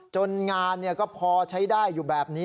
งานก็พอใช้ได้อยู่แบบนี้